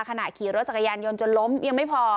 ขณะขี่รถจักรยานยนต์จนล้มยังไม่พอ